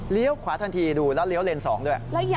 เลี้ยวขวาทันทีดูแล้วเลี้ยวเลนสองด้วย